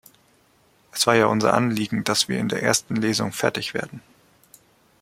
Es war ja unser Anliegen, dass wir in der ersten Lesung fertig werden.